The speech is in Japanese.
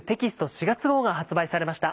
４月号が発売されました。